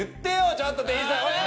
ちょっと店員さん！